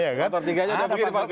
faktor tiga aja udah begini